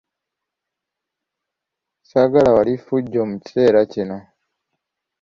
Saagala wali ffujjo mu kiseera kino.